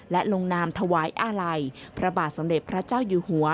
และลงนามถวายอาลัยพระบาทสมเด็จพระเจ้าอยู่หัว